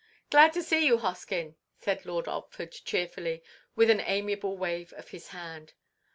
"Glad to see you, Hoskyn," said Lord Otford, cheerfully, with an amiable wave of his hand.